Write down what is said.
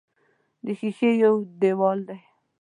د ښیښې یو دېوال دی.